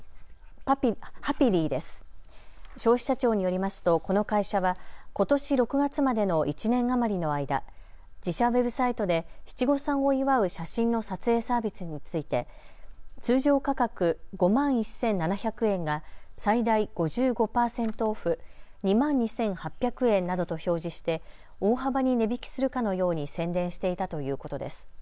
消費者庁によりますとこの会社はことし６月までの１年余りの間、自社ウェブサイトで七五三を祝う写真の撮影サービスについて通常価格５万１７００円が最大５５％Ｏｆｆ２万２８００円などと表示して大幅に値引きするかのように宣伝していたということです。